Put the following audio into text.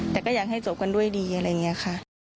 แต่ก็อยากให้จบกันด้วยดีอะไรอย่างนี้ค่ะ